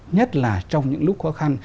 nhất là trong những lúc khó khăn